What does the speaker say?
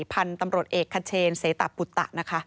พันธุ์ตำรวจเอกคเชนเสตะปุตตะนะคะ